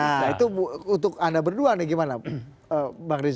nah itu untuk anda berdua nih gimana pak riza